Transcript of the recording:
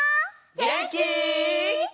げんき！